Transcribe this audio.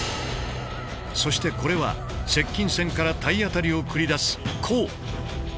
そしてこれは接近戦から体当たりを繰り出す「靠」。